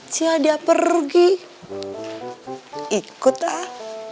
jadi pergi ikut ah